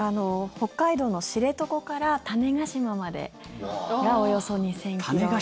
北海道の知床から種子島までがおよそ２０００ｋｍ。